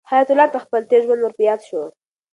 حیات الله ته خپل تېر ژوند ور په یاد شو.